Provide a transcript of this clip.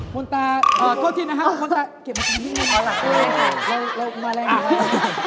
มอดตาโอ้โฮโคตรจีนนะครับมอดตาเก็บมาสนิทนี่นี่ค่ะแล้วมะแรงเลยค่ะ